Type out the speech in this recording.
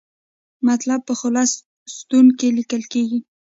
مطلب په خلص ستون کې لیکل کیږي.